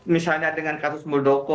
misalnya dengan kasus muldoko